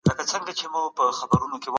غولول یو شرمناک او غیر انساني عمل دی.